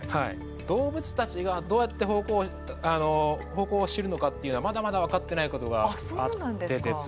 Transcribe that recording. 動物たちがどうやって方向を知るのかっていうのはまだまだ分かってないことがあってですね